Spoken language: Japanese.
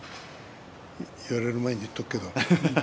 言われる前に言っておくけど。